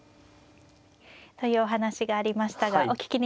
というお話がありましたがお聞きになっていかがですか。